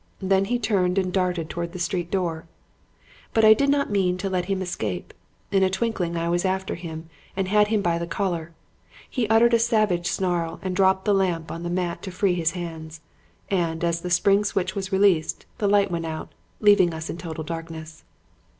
Then he turned and darted towards the street door. "But I did not mean to let him escape. In a twinkling I was after him and had him by the collar. He uttered a savage snarl and dropped the lamp on the mat to free his hands; and, as the spring switch was released, the light went out, leaving us in total darkness.